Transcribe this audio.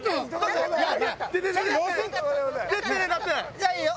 じゃあいいよ。